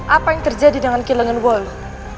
apa yang terjadi dengan kilangan wolu